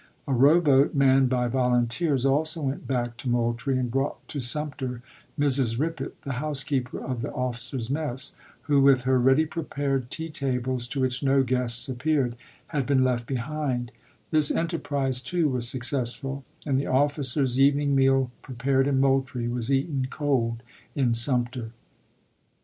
A row boat, manned by volunteers, also went back to Moultrie, and brought to Sumter Mrs. Rippit, the housekeeper of the officers' mess, who, with her ready prepared tea tables to which no guests appeared, had been left behind; this enterprise, too, was successful, and the officers' evening meal prepared in Moultrie was eaten cold in Sumter.